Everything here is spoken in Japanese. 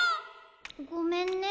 ごめんね。